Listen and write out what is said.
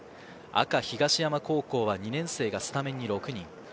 赤・東山高校は２年生がスタメンに６人。